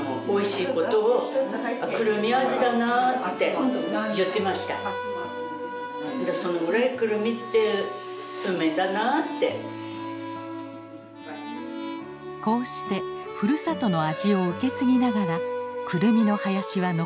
こうしてふるさとの味を受け継ぎながらクルミの林は残されてきたのです。